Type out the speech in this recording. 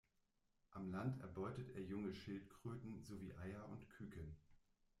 An Land erbeutet er junge Schildkröten sowie Eier und Küken.